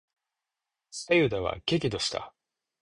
左右田は激怒した。